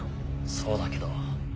そうだけど。